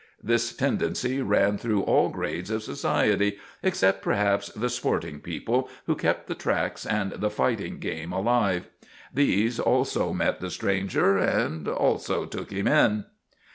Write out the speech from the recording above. This tendency ran through all grades of society except, perhaps, the sporting people who kept the tracks and the fighting game alive. These also met the stranger and also took him in.